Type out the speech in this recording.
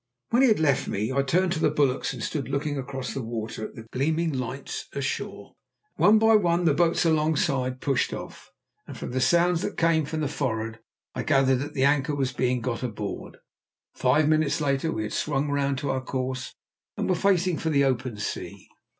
When he had left me I turned to the bulwarks and stood looking across the water at the gleaming lights ashore. One by one the boats alongside pushed off, and from the sounds that came from for'ard, I gathered that the anchor was being got aboard. Five minutes later we had swung round to our course and were facing for the open sea.